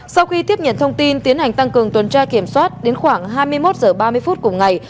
sau khi tiếp nhận thông tin tiến hành tăng cường tuần tra kiểm soát đến khoảng hai mươi một h ba mươi phút cùng ngày